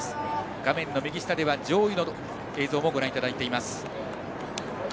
画面右下では上位選手の映像もご覧いただいています。